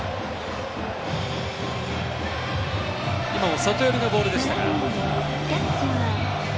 今、外寄りのボールでしたが。